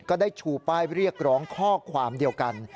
ก็ได้ชูป้ายเรียกร้องข้อความเดียวกัน